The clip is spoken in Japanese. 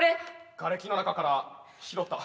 がれきの中から拾った。